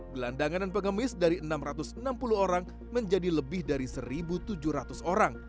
gelandangan dan pengemis dari enam ratus enam puluh orang menjadi lebih dari satu tujuh ratus orang